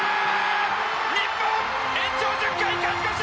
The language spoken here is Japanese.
日本、延長１０回勝ち越し！